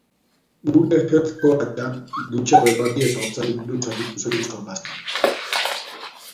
Gure health coacha dutxa beroari eta hotzari buruz aritu zaigu solasean.